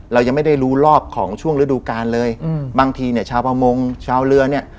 เรายังไม่ได้รู้รอบของช่วงฤดูกาลเลยอืมบางทีเนี่ยชาวประมงชาวเรือเนี่ย